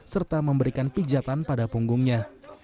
serta memberikan pijatan pada punggungnya